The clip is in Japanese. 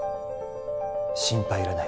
心配いらない